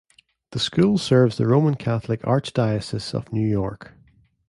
The school serves the Roman Catholic Archdiocese of New York.